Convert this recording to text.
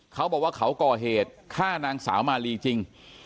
เขาบอกว่าเขาก่อเหตุฆ่านางสาวมาลีจริง